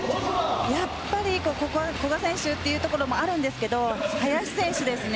やっぱり古賀選手というところもあるんですが林選手ですね。